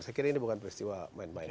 saya kira ini bukan peristiwa main main